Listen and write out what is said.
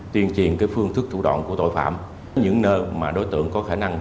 tiên triền cái phương thức thủ đoạn của tội phạm những nơi mà đối tượng có khả năng